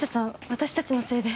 私たちのせいで。